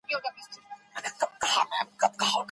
زه به خپله څېړنه په راتلونکي کال کي پیل کړم.